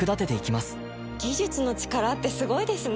技術の力ってスゴイですね！